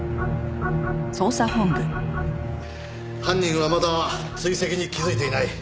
犯人はまだ追跡に気づいていない。